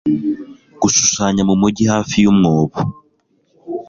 Gushushanya mumujyi hafi yu mwobo